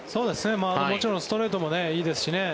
もちろんストレートもいいですしね